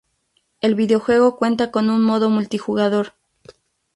El videojuego cuenta con un modo multijugador.